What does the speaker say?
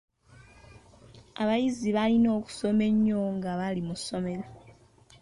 Abayizi balina okusoma ennyo nga bali mu ssomero.